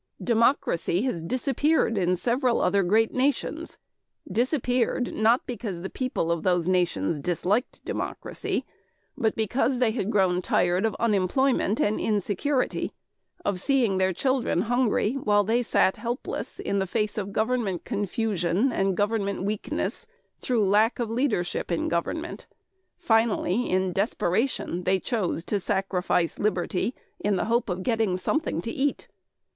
Democracy has disappeared in several other great nations disappeared not because the people of those nations disliked democracy, but because they had grown tired of unemployment and insecurity, of seeing their children hungry while they sat helpless in the face of government confusion and government weakness through lack of leadership in government. Finally, in desperation, they chose to sacrifice liberty in the hope of getting something to eat.